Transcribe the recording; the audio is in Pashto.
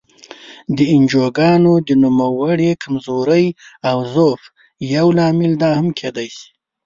د انجوګانو د نوموړې کمزورۍ او ضعف یو لامل دا هم کېدای شي.